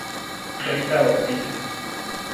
Rita Ortiz.